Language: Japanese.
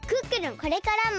これからも。